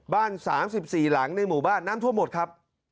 ๓๔หลังในหมู่บ้านน้ำท่วมหมดครับ